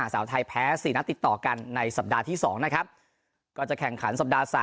สาวไทยแพ้๔นัดติดต่อกันในสัปดาห์ที่๒นะครับก็จะแข่งขันสัปดาห์๓